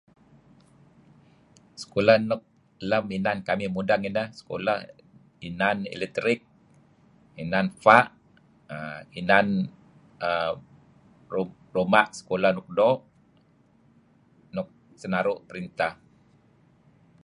Sekulah nuk lem inan kamih mudeng ineh, isekulah nan eletrik , inan fa', err... inanerr... ruma' sekulah luk doo', senaru' printah.